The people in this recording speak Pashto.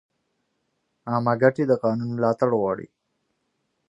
عامه ګټې د قانون ملاتړ غواړي.